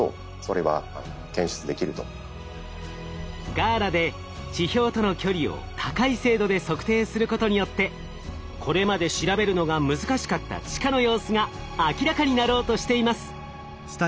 ＧＡＬＡで地表との距離を高い精度で測定することによってこれまで調べるのが難しかった地下の様子が明らかになろうとしています。